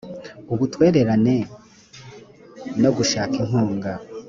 ubutwererene no gushaka inkunga